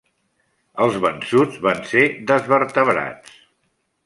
Els vençuts van ser desvertebrats.